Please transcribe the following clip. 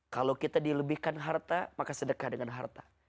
kalau kita dilebihkan harta maka sedekah dengan harta